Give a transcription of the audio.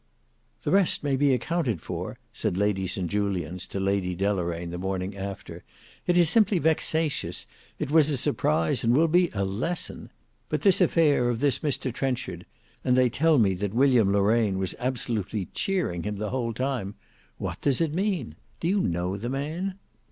"The rest may be accounted for," said Lady St Julians to Lady Deloraine the morning after; "it is simply vexatious; it was a surprise and will be a lesson: but this affair of this Mr Trenchard—and they tell me that William Loraine was absolutely cheering him the whole time—what does it mean? Do you know the man?"